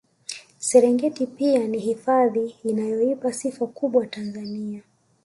Serengeti pia ni hifadhi inayoipa sifa kubwa Tanzania